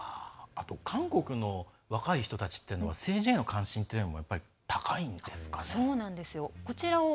韓国の若い人たちっていうのは政治への関心というのが高いんですかね。